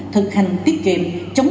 thực hành tiết kiệm chống